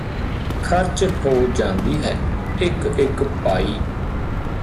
ਖਰਚ ਹੋ ਜਾਂਦੀ ਹੈ ਇਕ ਇਕ ਪਾਈ